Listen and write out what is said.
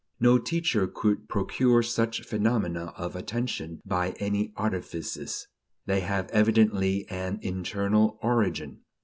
No teacher could procure such phenomena of attention by any artifices; they have evidently an internal origin.